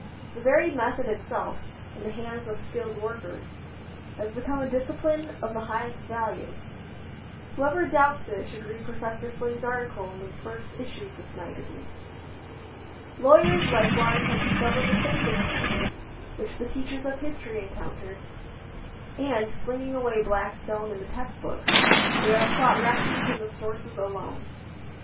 The very method itself, in the hands of skilled workers, has become a discipline of the highest value. Whoever doubts it should read Professor Fling's article in the first issue of this magazine. Lawyers likewise have discovered the same difficulties which the teachers of history encountered, and, flinging away Blackstone and the text books, they have sought refuge in the sources alone.